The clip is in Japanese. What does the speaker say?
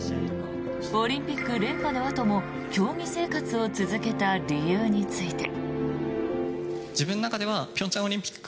オリンピック連覇のあとも競技生活を続けた理由について。